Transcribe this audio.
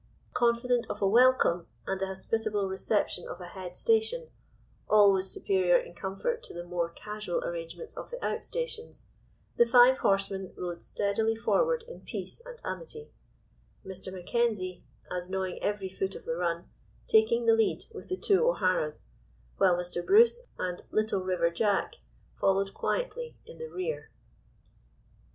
Confident of a welcome, and the hospitable reception of a head station—always superior in comfort to the more casual arrangements of the out stations—the five horsemen rode steadily forward in peace and amity; Mr. Mackenzie, as knowing every foot of the run, taking the lead with the two O'Haras, while Mr. Bruce and Little River Jack followed quietly in the rear.